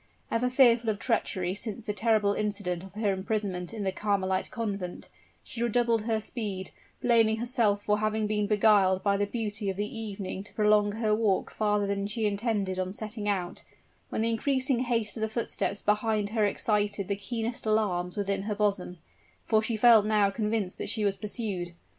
Ever fearful of treachery since the terrible incident of her imprisonment in the Carmelite Convent, she redoubled her speed, blaming herself for having been beguiled by the beauty of the evening to prolong her walk farther than she intended on setting out when the increasing haste of the footsteps behind her excited the keenest alarms within her bosom for she now felt convinced that she was pursued.